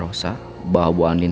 apa bapak ketangkep